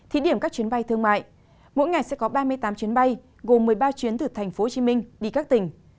thí điểm các chuyến bay thương mại mỗi ngày sẽ có ba mươi tám chuyến bay gồm một mươi ba chuyến từ tp hcm đi các tỉnh